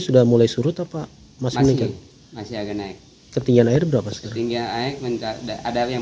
sudah mulai surut apa masih agak naik ketinggian air berapa ketinggian naik ada yang